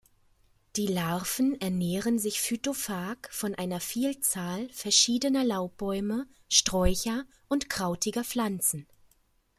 Die Larven ernähren sich phytophag von einer Vielzahl verschiedener Laubbäume, -sträucher und krautiger Pflanzen.